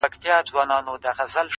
ترڅو له ماڅخه ته هېره سې.